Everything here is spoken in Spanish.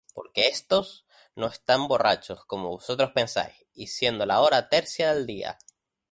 Porque éstos no están borrachos, como vosotros pensáis, siendo la hora tercia del día;